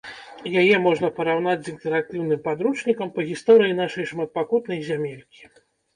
Яе можна параўнаць з інтэрактыўным падручнікам па гісторыі нашай шматпакутнай зямелькі.